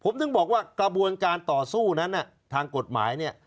ผมถึงบอกว่ากระบวนการต่อสู้นั้นทางกฎหมายเนี่ย